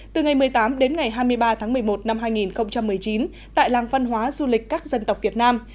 từ ngày một mươi tám đến ngày hai mươi ba tháng một mươi một năm hai nghìn một mươi chín tại làng văn hóa du lịch các dân tộc việt nam